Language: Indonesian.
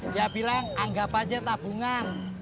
dia bilang anggap aja tabungan